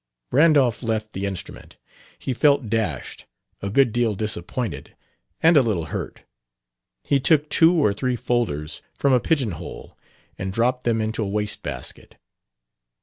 Randolph left the instrument. He felt dashed, a good deal disappointed, and a little hurt. He took two or three folders from a pigeon hole and dropped them into a waste basket.